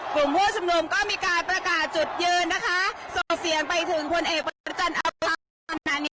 กลุ่มผู้ชุมนุมก็มีการประกาศจุดยืนนะคะส่งเสียงไปถึงพลเอกประจันทร์อำพันธ์